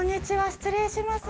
失礼します。